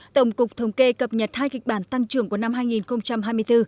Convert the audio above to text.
tổng cục thống kê cập nhật hai kịch bản tăng trưởng của năm hai nghìn hai mươi bốn